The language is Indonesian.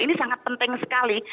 ini sangat penting sekali